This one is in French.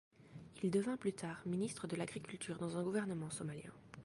Il devint plus tard ministre de l'Agriculture dans un gouvernement somalien.